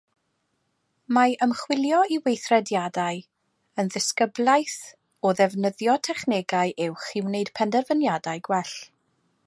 Mae ymchwilio i weithrediadau yn ddisgyblaeth o ddefnyddio technegau uwch i wneud penderfyniadau gwell.